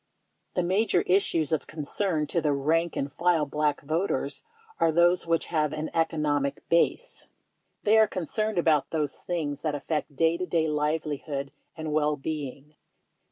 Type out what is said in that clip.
The major issues of concern to the rank and file Black voter are those which have an economic base. They are con cerned about those things that affect day to day livelihood and well being.